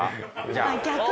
じゃあ。